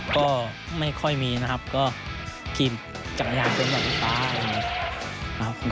ก็ไม่ค่อยมีนะครับก็พีมจากอย่างเป็นแบบฟ้าอะไรอย่างนี้